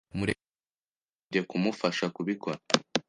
Murekatete yansabye kumufasha kubikora.